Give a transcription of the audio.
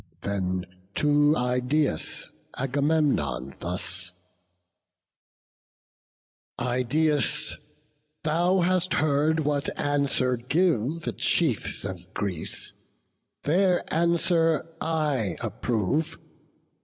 Then to Idaeus Agamemnon thus: "Idaeus, thou hast heard what answer give The chiefs of Greece—their answer I approve.